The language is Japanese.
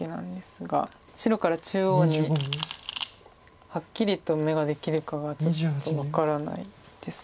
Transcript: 白から中央にはっきりと眼ができるかがちょっと分からないです